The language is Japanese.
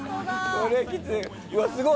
これはきつい。